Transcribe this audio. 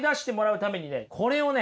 これをね